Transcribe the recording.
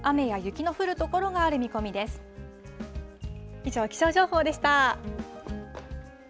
以上、気象情報でした。